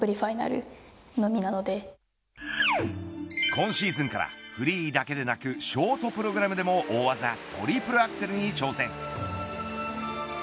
今シーズンからフリーだけでなくショートプログラムでも大技トリプルアクセルに挑戦。